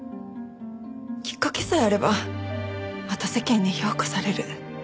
きっかけさえあればまた世間に評価される。